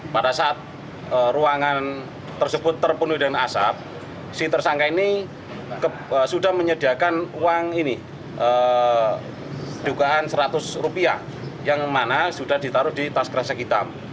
pada saat ruangan tersebut terpenuhi dengan asap si tersangka ini sudah menyediakan uang ini dugaan seratus rupiah yang mana sudah ditaruh di tas kresek hitam